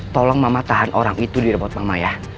tolong mama tahan orang itu di repot mama ya